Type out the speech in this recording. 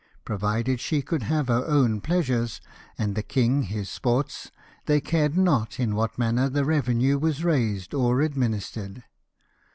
Provided she could have her pleasures, and the king his sports, they cared not in what manner the revenue was raised or administered.